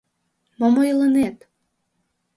— Мом ойлынет?